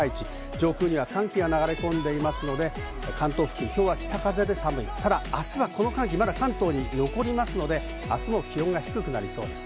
上空には寒気が流れ込んで、関東付近、今日は北風で寒い、明日はこの寒気、関東に残りますので、明日も気温が低くなりそうです。